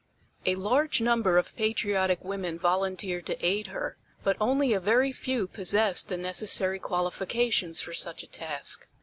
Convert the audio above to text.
A large number of patriotic women volunteered to aid her, but only a very few possessed the necessary qualifications for such a task.